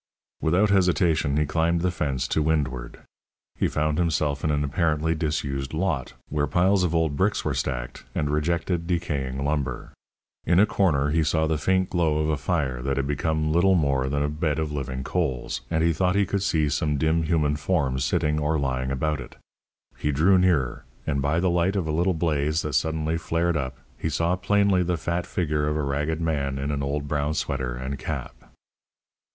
Without hesitation he climbed the fence to windward. He found himself in an apparently disused lot, where piles of old bricks were stacked, and rejected, decaying lumber. In a corner he saw the faint glow of a fire that had become little more than a bed of living coals, and he thought he could see some dim human forms sitting or lying about it. He drew nearer, and by the light of a little blaze that suddenly flared up he saw plainly the fat figure of a ragged man in an old brown sweater and cap.